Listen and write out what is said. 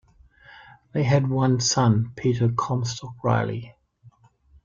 They had one son, Peter Comstock Riley.